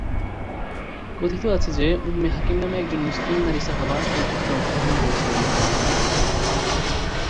কথিত আছে যে উম্মে হাকিম নামে একজন মুসলিম নারী সাহাবা এই যুদ্ধে অংশগ্রহণ ছিলেন।